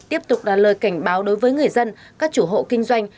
tiếp tục là lời cảnh báo đối với người dân các chủ hộ kinh doanh